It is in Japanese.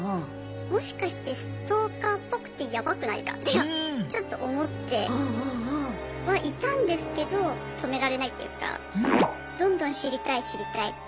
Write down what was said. もしかしてストーカーっぽくってヤバくないかってちょっと思ってはいたんですけど止められないっていうかどんどん知りたい知りたいって。